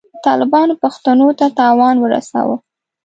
طالبانو پښتنو ته تاوان ورساوه.